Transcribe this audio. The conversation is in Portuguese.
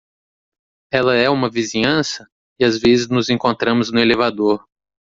Ela é uma vizinhança? e às vezes nos encontramos no elevador.